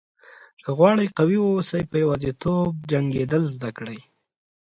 که غواړئ قوي واوسئ په یوازیتوب جنګېدل زده کړئ.